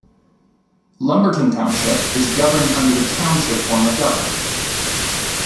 Lumberton Township is governed under the Township form of government.